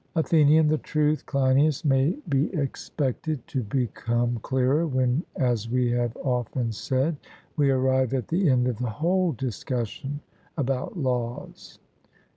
ATHENIAN: The truth, Cleinias, may be expected to become clearer when, as we have often said, we arrive at the end of the whole discussion about laws.